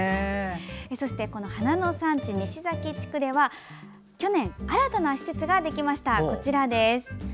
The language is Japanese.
この花の産地、西岬地区では去年、新たな施設ができました。